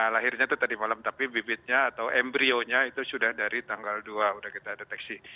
lahirnya itu tadi malam tapi bibitnya atau embryonya itu sudah dari tanggal dua sudah kita deteksi